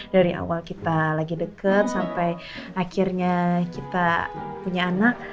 dari awal kita lagi deket sampai akhirnya kita punya anak